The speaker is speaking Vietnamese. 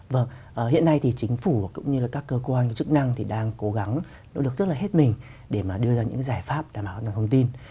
vâng hiện nay thì chính phủ cũng như là các cơ quan chức năng thì đang cố gắng nỗ lực rất là hết mình để mà đưa ra những giải pháp đảm bảo an toàn thông tin